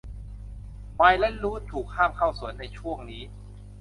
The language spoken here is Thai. ไมค์และรูธถูกห้ามเข้าสวนในช่วงนี้